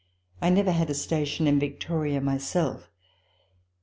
I never had a station in Victoria myself.